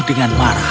sang pengamen meneluk